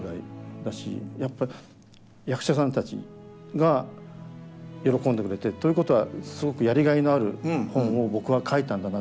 やっぱ役者さんたちが喜んでくれてるということはすごくやりがいのある本を僕は書いたんだな。